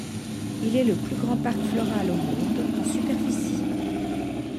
Il est le plus grand parc floral au monde en superficie.